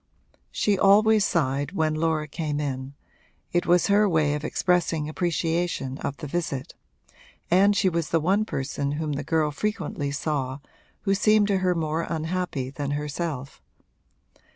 She always sighed when Laura came in it was her way of expressing appreciation of the visit and she was the one person whom the girl frequently saw who seemed to her more unhappy than herself.